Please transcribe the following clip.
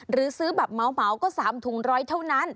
หรือซื้อแบบเหมาก็๓ถุง๑๐๐เท่านั้น